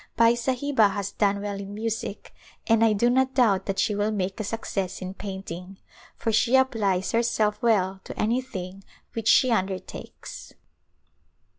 Bai Sahiba has done well in music and I do not doubt that she will make a success in painting, for she applies herself well to anything which she un dertakes.